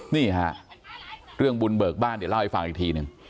นี่ฮะเรื่องบุญเบิกบ้านเดี๋ยวเล่าให้ฟังอีกทีหนึ่ง